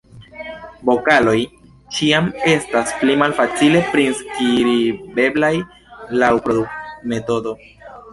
Vokaloj ĉiam estas pli malfacile priskribeblaj laŭ produktmetodo.